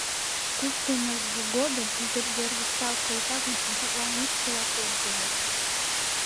Куштымыж годым ӱдыр йыргыктал колта гын, шинчатлан йӱксыла койын кодеш.